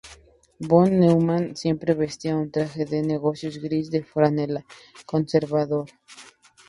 Von Neumann siempre vestía un traje de negocios gris de franela, conservador.